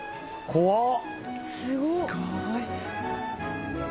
・怖っ！